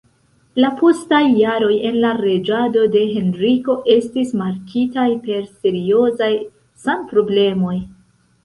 La postaj jaroj en la reĝado de Henriko estis markitaj per seriozaj sanproblemoj.